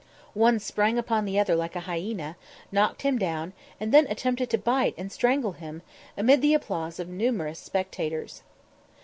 One sprang upon the other like a hyena, knocked him down, and then attempted to bite and strangle him, amid the applause of numerous spectators.